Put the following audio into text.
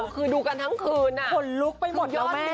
คือดูกันทั้งคืนคนลุกไปหมดแล้วแม่